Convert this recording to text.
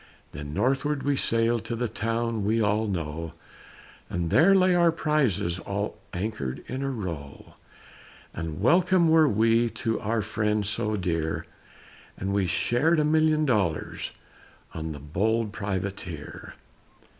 Then northward we sailed To the town we all know, And there lay our prizes All anchored in a row; And welcome were we To our friends so dear, And we shared a million dollars On the bold Privateer.